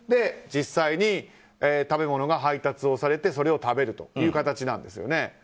実際に食べ物が配達をされてそれを食べるという形なんですよね。